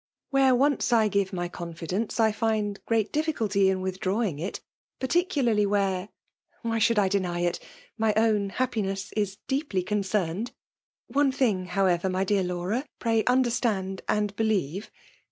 '^ Where once I give my confidence, I find great difficulty in withdrawing it ; paitt«> cularly where (why should I deny it?) my own ' happiness is deeply concerned. Dne thing, however, my dear Laura, pray under stand and believe.